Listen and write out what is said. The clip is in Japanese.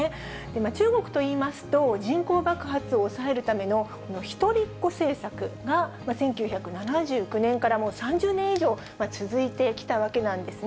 中国といいますと、人口爆発を抑えるためのこの一人っ子政策が、１９７９年からもう３０年以上続いてきたわけなんですね。